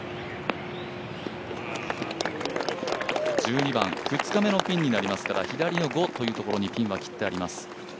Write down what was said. １２番、２日目のピンになりますから左の５というところにピンは切ってあります。